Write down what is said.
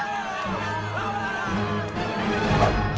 aku akan mencari siapa yang bisa menggoda dirimu